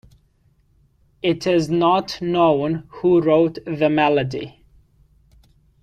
It is not known who wrote the melody.